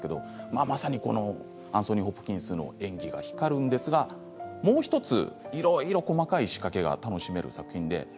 まさにアンソニー・ホプキンスの演技が光るんですが、もう１ついろいろ細かい仕掛けが楽しめる作品です。